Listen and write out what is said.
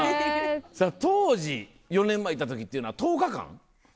当時４年前行った時っていうのは。